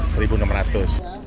seribu nomor ratus